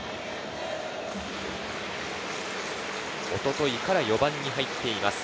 一昨日から４番に入っています。